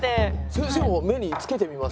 先生も目につけてみます？